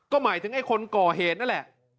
ก็หมายถึงไอ้คนก่อเหตุนั่นแหละ